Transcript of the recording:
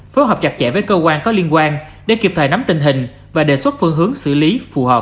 phối hợp chặt chẽ với cơ quan có liên quan để kịp thời nắm tình hình và đề xuất phương hướng xử lý phù hợp